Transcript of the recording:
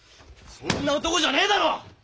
そんな男じゃねえだろ！